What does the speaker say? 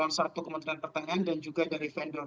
atau kementerian pertahanan dan juga dari vendor